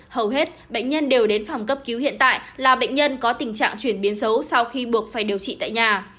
hầu hết bệnh nhân đều đến phòng cấp cứu hiện tại là bệnh nhân có tình trạng chuyển biến xấu sau khi buộc phải điều trị tại nhà